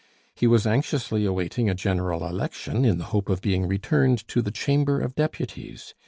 He was anxiously awaiting a general election, in the hope of being returned to the Chamber of deputies.